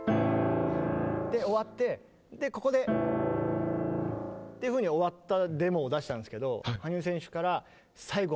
終わってここで。っていうふうに終わったデモを出したんですけど。